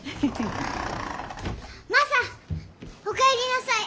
マサおかえりなさい！